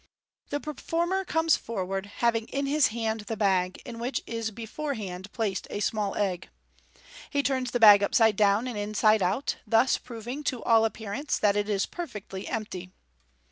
The performer comes forward, having in his hand the bag, in which is beforehand placed a small egg. He turns the bag upside down and inside out, thus proving, to all appearance, that it is per fectly empty.